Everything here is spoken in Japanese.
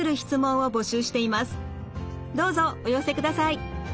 どうぞお寄せください。